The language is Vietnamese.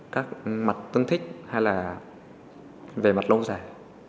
các mặt tương thích hay là về mặt lâu dài